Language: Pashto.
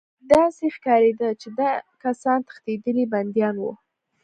داسې ښکارېده چې دا کسان تښتېدلي بندیان وو